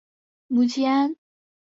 母吉安。